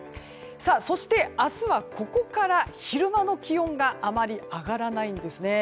そして、明日はここから昼間の気温があまり上がらないんですね。